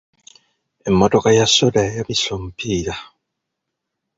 Emmotoka ya soda yayabise omupiira.